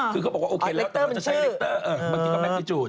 คือเขาบอกว่าโอเคแล้วแต่เขาจะใช้ลิคเตอร์บางทีก็แกจูด